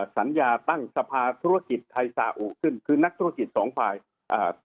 สัญญาตั้งสภาธุรกิจไทยสาอุขึ้นคือนักธุรกิจสองฝ่ายอ่า